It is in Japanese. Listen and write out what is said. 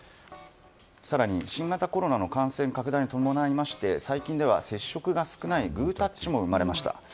更に新型コロナの感染拡大に伴い最近では接触が少ないグータッチも生まれました。